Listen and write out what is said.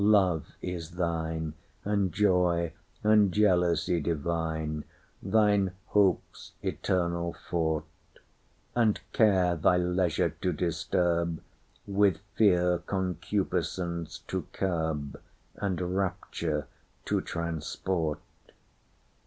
love is thine, And joy and jealousy divine; Thine hope's eternal fort, And care thy leisure to disturb, With fear concupiscence to curb, And rapture to transport.